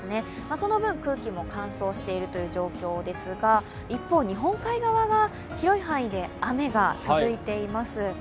その分空気も乾燥している状況ですが、一方、日本海側は広い範囲で雨が続いています。